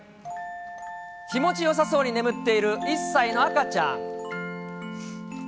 気持ちよさそうに眠っている１歳の赤ちゃん。